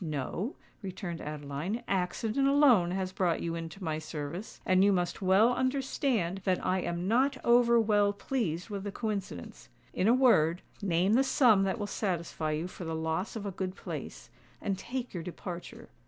"No," returned Adeline: "accident alone has brought you into my service: and you must well understand that I am not over well pleased with the coincidence. In a word, name the sum that will satisfy you for the loss of a good place—and take your departure.